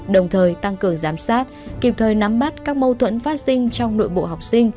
đồng thời tăng cường giám sát kịp thời nắm bắt các mâu thuẫn phát sinh trong nội bộ học sinh